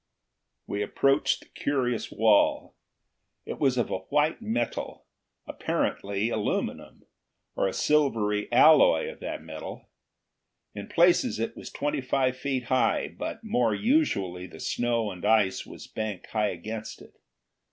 We approached the curious wall. It was of a white metal, apparently aluminum, or a silvery alloy of that metal. In places it was twenty five feet high, but more usually the snow and ice was banked high against it.